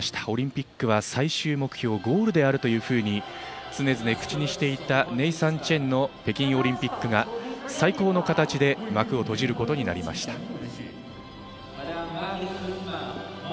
オリンピックは最終目標ゴールであるというふうに常々口にしていたネイサン・チェンの北京オリンピックが最高の形で幕を閉じることになりました。